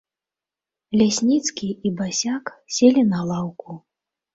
Лясніцкі і басяк селі на лаўку.